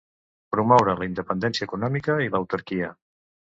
Promoure la independència econòmica i l'autarquia.